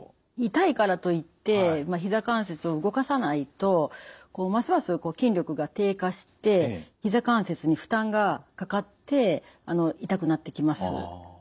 痛いからといってひざ関節を動かさないとますます筋力が低下してひざ関節に負担がかかって痛くなってきます。